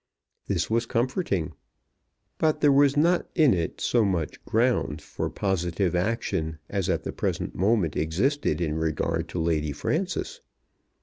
This was comforting. But there was not in it so much ground for positive action as at the present moment existed in regard to Lady Frances.